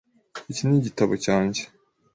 Iki ni igitabo cyanjye .